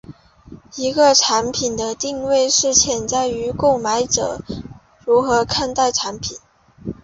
一个产品的定位是潜在购买者如何看待该产品。